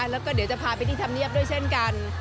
แล้วก็เดี๋ยวจะพาไปที่ดับนี้ด้วยเช่นการ